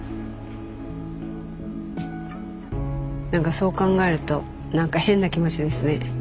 何かそう考えると何か変な気持ちですね。